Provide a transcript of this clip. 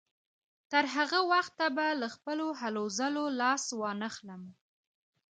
تر هغه وخته به له خپلو هلو ځلو لاس وانهخلم.